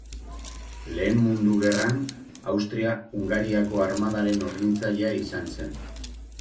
Lehen Mundu Gerran Austria Hungariako armadaren hornitzailea izan zen.